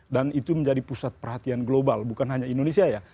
dan itu menjadi pusat perhatian global bukan hanya indonesia ya